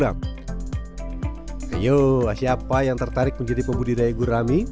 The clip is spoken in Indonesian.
ayo siapa yang tertarik menjadi pembudidaya gurami